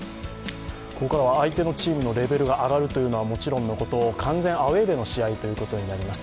ここからは相手のチームのレベルが上がるというのはもちろんのこと完全アウェーでの試合ということになります。